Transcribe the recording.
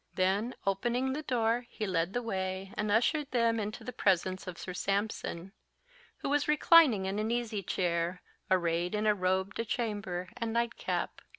Then opening the door, he led the way, and ushered them into the presence of Sir Sampson, who was reclining in an easy chair, arrayed in a robe de chambre and nightcap.